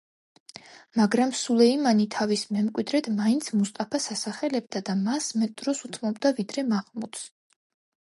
მაგრამ სულეიმანი თავის მემკვიდრედ მაინც მუსტაფას ასახელებდა და მას მეტ დროს უთმობდა ვიდრე მაჰმუდს.